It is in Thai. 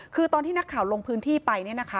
คือตอนที่นักข่าวลงพื้นที่ไปเนี่ยนะคะ